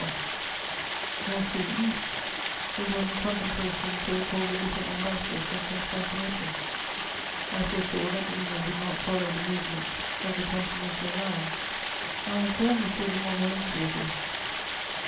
[Sidenote: The Eastern question.] As to the East, it was in contemplation to recall the different ambassadors from Constantinople. I foresaw that England would not follow the movement of the Continental Alliance, and I informed M. de Montmorency of this.